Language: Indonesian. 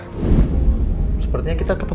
dia baru bekerja di sini jadi asisten aku pak